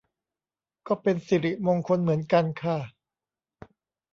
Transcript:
ก็เป็นสิริมงคลเหมือนกันค่ะ